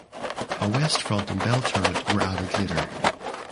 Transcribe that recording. A west front and bell turret were added later.